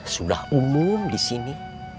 sudah umum di sini